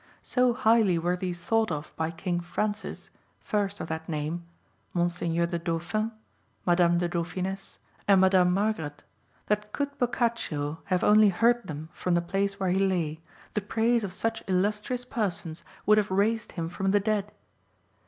So highly were these thought of by King Francis, first of that name, Monseigneur the Dauphin, (12) Madame the Dauphiness, and Madame Margaret, that could Boccaccio have only heard them from the place where he lay, the praise of such illustrious persons would have raised him from the dead.